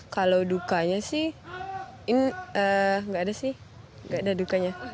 kalau dukanya sih gak ada sih gak ada dukanya